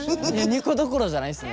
２個どころじゃないですね